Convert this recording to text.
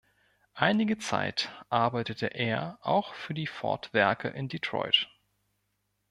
Einige Zeit arbeitete er auch für die Ford-Werke in Detroit.